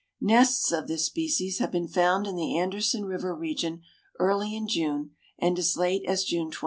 Nests of this species have been found in the Anderson River region early in June and as late as June 24.